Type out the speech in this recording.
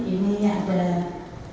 ini ada program